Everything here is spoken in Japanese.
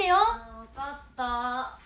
分かった。